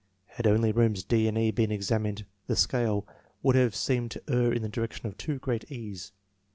Had only rooms D and E been examined, the scale would have seemed to err in the direction of too great ease.